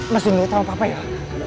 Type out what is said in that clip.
mesti ngeliat sama papa ya